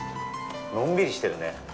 のんびりしてるね。